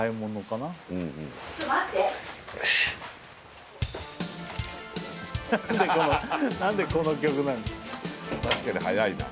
なんでこの曲なの？